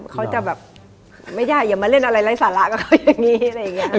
เขาจะแบบไม่ได้อย่ามาเล่นอะไรไร้สาระกับเขาอย่างนี้